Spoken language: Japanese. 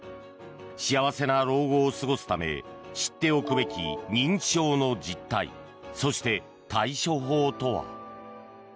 幸せな老後を過ごすため知っておくべき認知症の実態そして対処法とは。